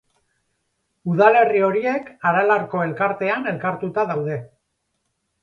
Udalerri horiek Aralarko Elkartean elkartuta daude.